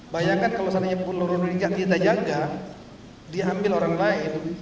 bayangkan kalau sana pulau rondo tidak kita jaga diambil orang lain